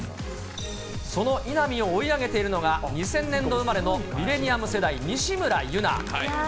その稲見を追い上げているのが２０００年度生まれのミレニアム世代、西村優菜。